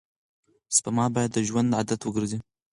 سپما باید د ژوند عادت وګرځي.